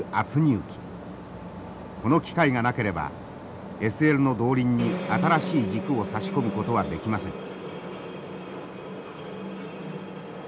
この機械がなければＳＬの動輪に新しい軸を差し込むことはできません。